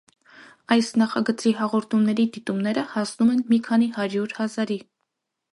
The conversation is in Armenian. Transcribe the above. Այս նախագծի հաղորդումների դիտումները հասնում են մի քանի հարյուր հազարի։